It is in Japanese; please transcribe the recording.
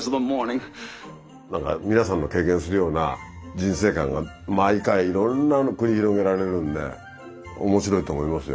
何か皆さんの経験するような人生観が毎回いろんな繰り広げられるんで面白いと思いますよ。